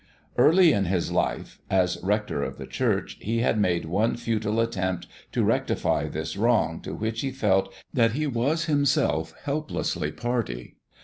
Early in his life, as rector of the church, he had made one futile attempt to rectify this wrong to which he felt that he was himself helplessly party.